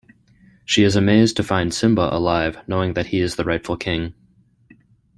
She is amazed to find Simba alive, knowing that he is the rightful king.